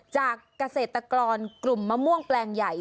จากเกษตรกรกลุ่มมะม่วงแปลงใหญ่